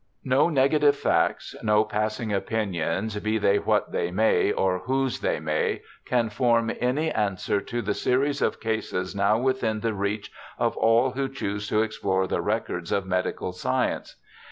' No negative facts, no passing opinions, be they what they may or whose they may, can form any answer to the series of cases now within the 62 BIOGRAPHICAL ESSAYS reach of all who choose to explore the records of medical science.'